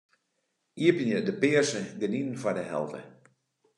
Iepenje de pearse gerdinen foar de helte.